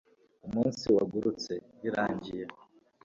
umunsi wagurutse ... birangiye